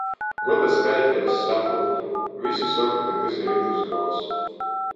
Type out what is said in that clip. Goda skaitli es saprūtu, vysi soka, ka tys ir itys gods.